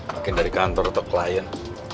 mungkin dari kantor atau klien